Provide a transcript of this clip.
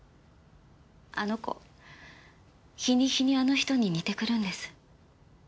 あの子日に日にあの人に似てくるんです。